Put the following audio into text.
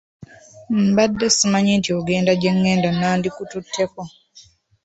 Mbadde simanyi nti ogenda gye ngenda nandikututteko.